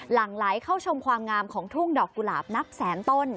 หลังไหลเข้าชมความงามของทุ่งดอกกุหลาบนับแสนต้น